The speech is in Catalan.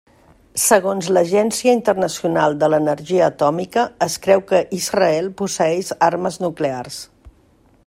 Segons l'Agència Internacional de l'Energia Atòmica es creu que Israel posseeix armes nuclears.